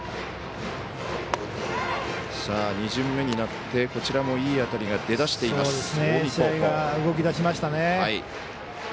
２巡目になってこちらもいい当たりが出だしています、近江高校。